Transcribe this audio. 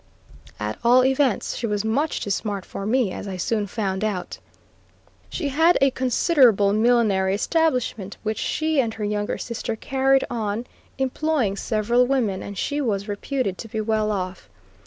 At all events, she was much too smart for me, as I soon found out. She had a considerable millinery establishment which she and her younger sister carried on, employing several women, and she was reputed to be well off.